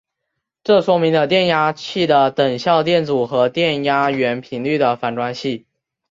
这说明了电压器的等效电阻和电压源频率的反关系。